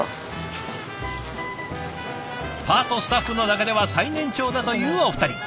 パートスタッフの中では最年長だというお二人。